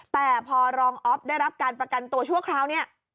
แต่พอรองอ๊อฟได้รับการประกันตัวชั่วคราวเนี่ย